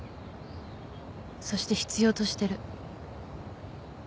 そして必要としてる。